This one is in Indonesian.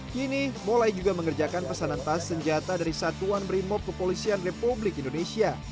kini molai juga mengerjakan pesanan tas senjata dari satuan brimob kepolisian republik indonesia